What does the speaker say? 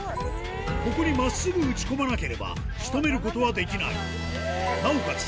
ここに真っすぐ打ち込まなければ仕留めることはできないなおかつ